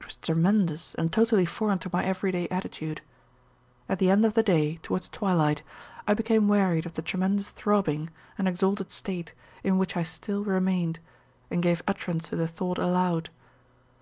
It was tremendous and totally foreign to my everyday attitude. At the end of the day, towards twilight, I became wearied of the tremendous throbbing and exalted state in which I still remained and gave utterance to the thought aloud.